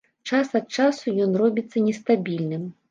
Час ад часу ён робіцца нестабільным.